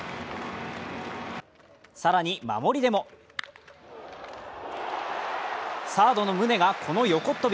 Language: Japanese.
更に守りでもサードの宗がこの横っ飛び。